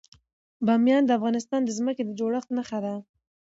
بامیان د افغانستان د ځمکې د جوړښت نښه ده.